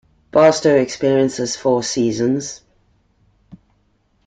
Barstow experiences four seasons.